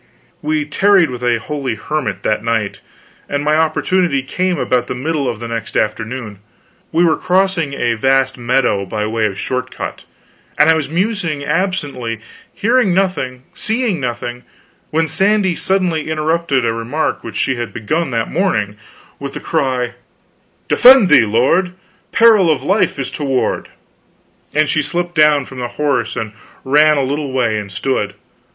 We tarried with a holy hermit, that night, and my opportunity came about the middle of the next afternoon. We were crossing a vast meadow by way of short cut, and I was musing absently, hearing nothing, seeing nothing, when Sandy suddenly interrupted a remark which she had begun that morning, with the cry: "Defend thee, lord! peril of life is toward!" And she slipped down from the horse and ran a little way and stood.